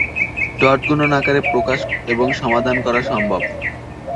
Dot গুণন আকারে প্রকাশ এবং সমাধান করা সম্ভব।